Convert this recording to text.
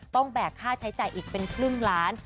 แบกค่าใช้จ่ายอีกเป็นครึ่งล้าน